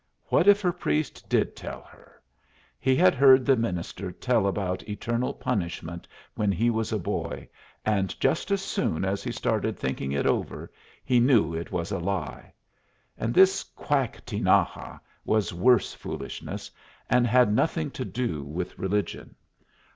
What if her priest did tell her? He had heard the minister tell about eternal punishment when he was a boy, and just as soon as he started thinking it over he knew it was a lie. And this quack Tinaja was worse foolishness, and had nothing to do with religion.